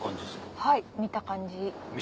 はい見た感じ。